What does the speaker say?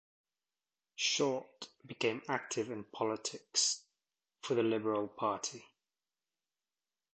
Shortt became active in politics for the Liberal Party.